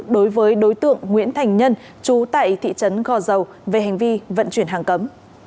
đối với đối tượng nguyễn thành nhân trú tại thị trấn gò dầu về hành vi vận chuyển hàng cấm